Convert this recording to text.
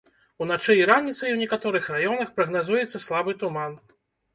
Уначы і раніцай у некаторых раёнах прагназуецца слабы туман.